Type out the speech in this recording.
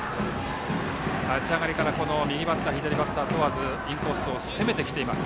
立ち上がりから右バッター、左バッター問わずインコースを攻めてきています。